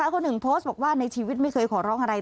คนหนึ่งโพสต์บอกว่าในชีวิตไม่เคยขอร้องอะไร